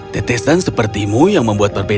tetesan sepertimu yang membuat perbedaan